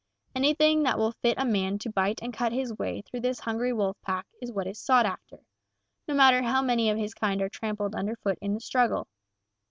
Anything that will fit a man to bite and cut his way through this hungry wolf pack is what is sought after, no matter how many of his kind are trampled under foot in the struggle.